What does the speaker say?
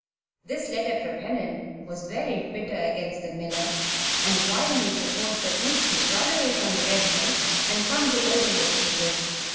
This letter from Helen was very bitter against the miller and wildly proposed that Ruth should run away from the Red Mill and come to Overlook to live.